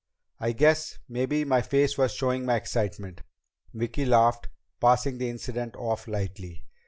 "I guess maybe my face was showing my excitement." Vicki laughed, passing the incident off lightly.